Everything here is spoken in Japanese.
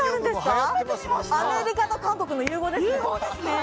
アメリカと韓国の融合ですね。